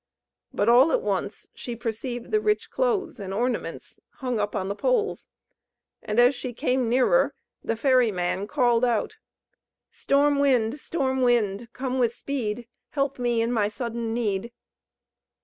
But all at once she perceived the rich clothes and ornaments, hung up on the poles, and as she came nearer, the ferry man called out: "Storm wind! Storm wind! come with speed! Help me in my sudden need!"